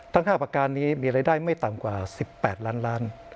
ทั้ง๕ประการนี้มีรายได้ไม่ต่ำกว่า๑๘ล้านล้าน